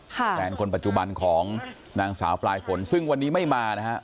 แฟนคนปัจจุบันของนางสาวปลายฝนซึ่งวันนี้ไม่มานะฮะ